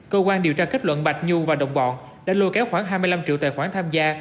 cơ quan điều tra kết luận bạch nhu và đồng bọn đã lôi kéo khoảng hai mươi năm triệu tài khoản tham gia